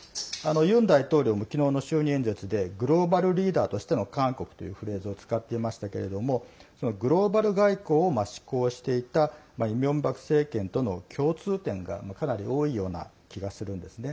ユン大統領もきのうの就任演説でグローバルリーダーとしての韓国というフレーズを使っていましたけれどもグローバル外交を志向していたイ・ミョンバク政権との共通点がかなり多いような気がするんです。